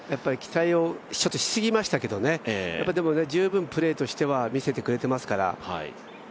期待をしすぎましたけどね、でも十分プレーとしては見せてくれていますから。